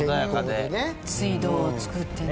水道を作ってね。